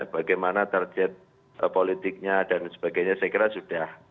bagaimana target politiknya dan sebagainya saya kira sudah